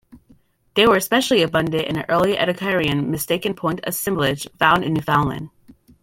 They were especially abundant in the early Ediacaran Mistaken Point assemblage found in Newfoundland.